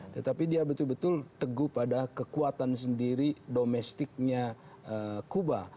tetapi dia betul betul teguh pada kekuatan sendiri domestiknya kuba